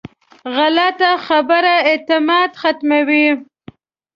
غلطه خبره اعتماد ختموي